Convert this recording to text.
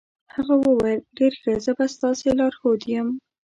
هغه وویل ډېر ښه، زه به ستاسې لارښود یم.